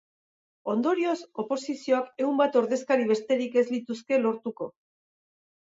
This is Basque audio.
Ondorioz, oposizioak ehun bat ordezkari besterik ez lituzke lortuko.